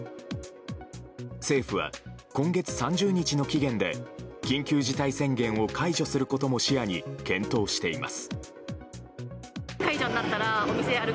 政府は、今月３０日の期限で緊急事態宣言を解除することも視野に検討しています。